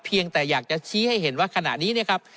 แต่อยากจะชี้ให้เห็นว่าขณะนี้เนี่ยครับ